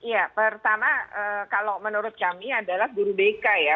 ya pertama kalau menurut kami adalah guru bk ya